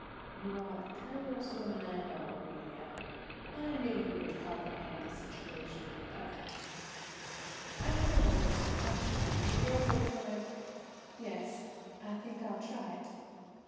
"You are the cleverest woman I know, Aurelia. I knew you would comprehend the situation perfectly." After a moment's reflection the girl replied: "Yes, I think I'll try it.